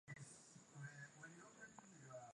katika mchezo ambao pia ni wa kundi d katika dimba